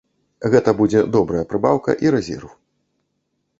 Гэта будзе добрая прыбаўка і рэзерв.